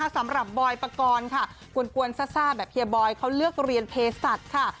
สำหรับบอยปกรณ์ค่ะกวนซ่าแบบเฮียบอยเขาเลือกเรียนเพศัตริย์ค่ะ